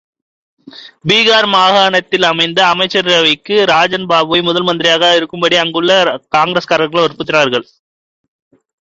பீகார் மாகாணத்தில் அமைந்த அமைச்சரவைக்கு ராஜன் பாபுவை முதல் மந்திரியாக இருக்கும்படி அங்குள்ள காங்கிரஸ்காரர்கள் வற்புறுத்தினார்கள்.